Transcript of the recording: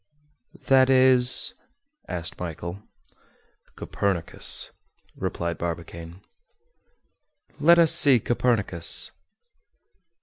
"That is—?" asked Michel. "Copernicus," replied Barbicane. "Let us see Copernicus."